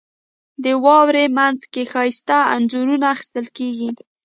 • د واورې مینځ کې ښایسته انځورونه اخیستل کېږي.